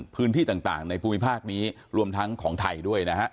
พื้นที่ต่างในภูมิภาคนี้รวมทั้งของไทยด้วยนะฮะ